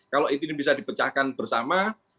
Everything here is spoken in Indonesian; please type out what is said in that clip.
kalau itu ini bisa dipecahkan bersama